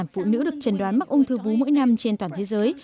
hai trăm sáu mươi phụ nữ được trần đoán mắc ung thư vú mỗi năm trên toàn thế giới